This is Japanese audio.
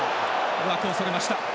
枠をそれました。